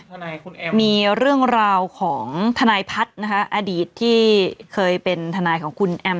ทนายคุณแอมมีเรื่องราวของทนายพัฒน์นะคะอดีตที่เคยเป็นทนายของคุณแอม